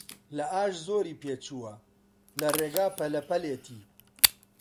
لە ئاش زۆری پێچووە، لە ڕێگا پەلە پەلیەتی